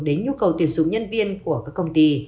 đến nhu cầu tuyển dụng nhân viên của các công ty